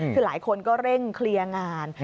คือหลายคนก็เร่งเคลียร์งาน